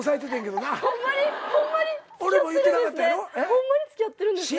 ホンマに付き合ってるんですね。